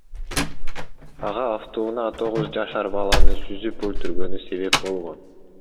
Ага автоунаа тогуз жашар баланы сүзүп өлтүргөнү себеп болгон.